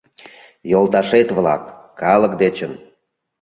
Йолташет-влак, калык дечын.